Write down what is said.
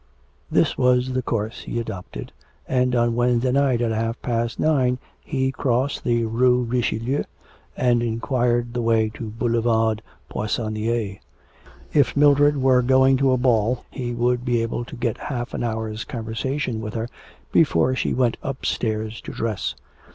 This was the course he adopted, and on Wednesday night at half past nine, he crossed the Rue Richlieu, and inquired the way to Boulevard Poissonier.... If Mildred were going to a ball he would be able to get half an hour's conversation were her before she went upstairs to dress.